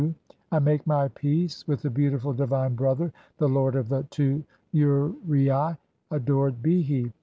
I make "my peace with the beautiful divine Brother, the lord of the "two uraei, adored be he!